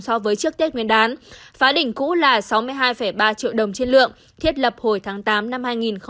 so với trước tết nguyên đán phá đỉnh cũ là sáu mươi hai ba triệu đồng trên lượng thiết lập hồi tháng tám năm hai nghìn một mươi chín